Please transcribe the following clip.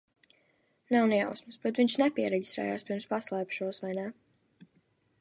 Nav ne jausmas, bet viņš nepiereģistrējās, pirms paslēpa šos, vai ne?